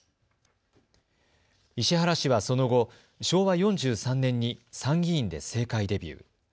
石原氏はその後、昭和４３年に参議院で政界デビュー。